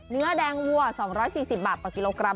เนื้อแดงวัว๒๔๐บาทต่อกิโลกรัม